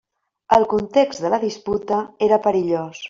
El context de la disputa era perillós.